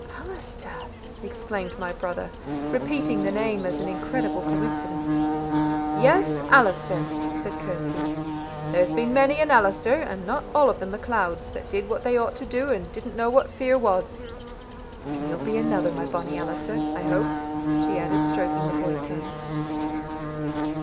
"Allister!" exclaimed my brother, repeating the name as an incredible coincidence. "Yes, Allister," said Kirsty. "There's been many an Allister, and not all of them MacLeods, that did what they ought to do, and didn't know what fear was. And you'll be another, my bonnie Allister, I hope," she added, stroking the boy's hair.